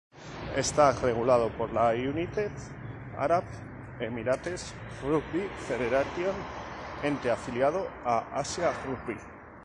Está regulado por la United Arab Emirates Rugby Federation, ente afiliado a Asia Rugby.